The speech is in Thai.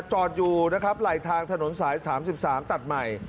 จอดอยู่นะครับไหล่ทางถนนสายสามสิบสามตัดใหม่